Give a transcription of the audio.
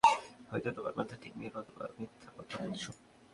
হয়ত তোমার মাথা ঠিক নেই নতুবা তুমি মিথ্যা কথা বলছ।